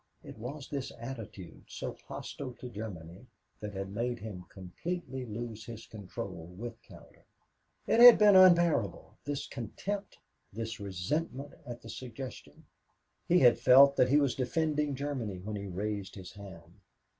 It was this attitude, so hostile to Germany, that had made him completely lose his control with Cowder. It had been unbearable; this contempt, this resentment at the suggestion. He had felt that he was defending Germany when he raised his hand.